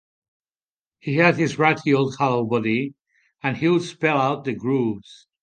He had this ratty old hollow body, and he would spell out the grooves.